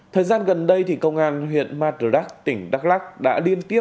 thời gian gần đây công an huyện matrodak tỉnh đắk lắc đã liên tiếp